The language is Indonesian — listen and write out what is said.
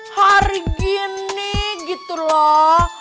hari gini gitu loh